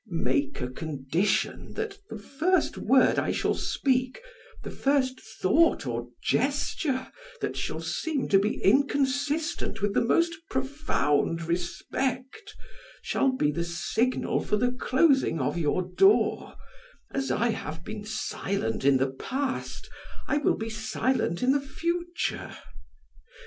Make a condition that the first word I shall speak, the first thought or gesture that shall seem to be inconsistent with the most profound respect, shall be the signal for the closing of your door; as I have been silent in the past, I will be silent in the future.